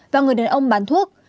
và người đàn ông bán thuốc